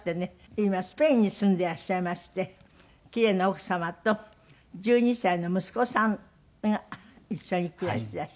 今スペインに住んでらっしゃいましてキレイな奥様と１２歳の息子さんが一緒に暮らしてらっしゃる。